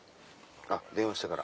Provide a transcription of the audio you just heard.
電話してから。